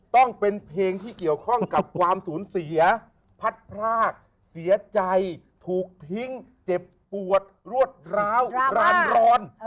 ต้องเป็นเพลงที่เกี่ยวข้องกับความสูญเสียพัดพรากเสียใจถูกทิ้งเจ็บปวดรวดร้าวร้านร้อน